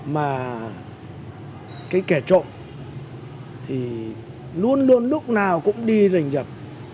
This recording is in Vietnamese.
mà cái kẻ trộm thì luôn luôn lúc nào cũng đi rình rập